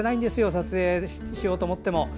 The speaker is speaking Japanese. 撮影しようと思っても。